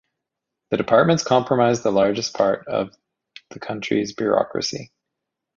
The departments comprise the largest part of the country's bureaucracy.